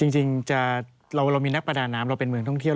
จริงเรามีนักประดาน้ำเราเป็นเมืองท่องเที่ยว